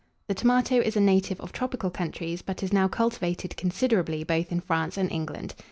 The Tomato is a native of tropical countries, but is now cultivated considerably both in France and England.